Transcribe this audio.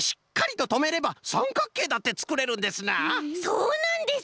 そうなんです！